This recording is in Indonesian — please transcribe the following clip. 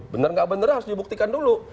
benar nggak benar harus dibuktikan dulu